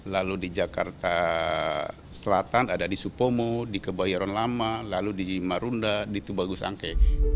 lalu di jakarta selatan ada di supomo di kebayoran lama lalu di marunda di tubagus angke